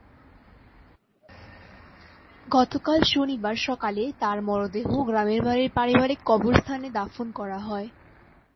গতকাল শনিবার সকালে তাঁর মরদেহ গ্রামের বাড়ির পারিবারিক কবরস্থানে দাফন করা হয়।